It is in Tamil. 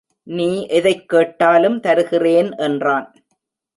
நீ எதைக் கேட்டாலும் தருகிறேன் என்றான்.